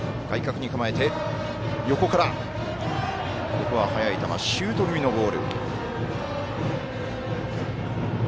ここは速い球シュート系のボール。